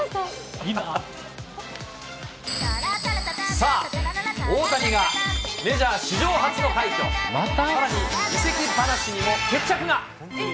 さあ、大谷がメジャー史上初の快挙、さらに移籍話にも決着が。